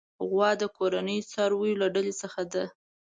غوا د کورني څارويو له ډلې څخه ده.